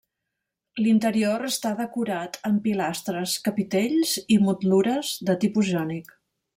L'interior està decorat amb pilastres, capitells i motlures de tipus jònic.